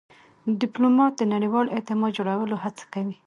ډيپلومات د نړیوال اعتماد جوړولو هڅه کوي.